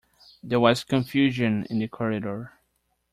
There was confusion in the corridor.